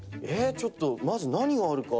ちょっとまず何があるか。